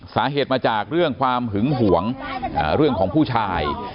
สาเหตุมาจากเรื่องความหึงหวงเรื่องของผู้ชาย